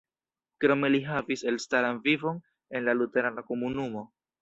Krome li havis elstaran vivon en la luterana komunumo.